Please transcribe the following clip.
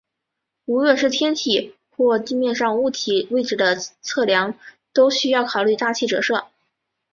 无论是天体或地面上物体位置的测量都需要考虑大气折射。